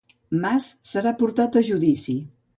Mas serà portat a judici